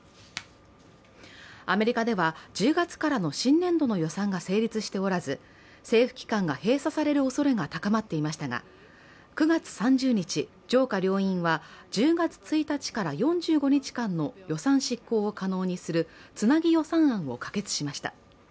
アメリカっでは１０月からの新年度の予算が成立しておらず政府機関が閉鎖されるおそれが高まっていましたが、９月３０日、上下両院は１０月１日から４５日間の予算執行を可能にするつなぎ予算案を可決しました。